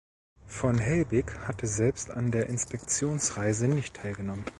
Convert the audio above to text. Von Helbig hatte selbst an der Inspektionsreise nicht teilgenommen.